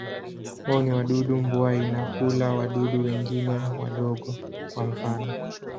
Wao ni wadudu mbuai na hula wadudu wengine wadogo, kwa mfano.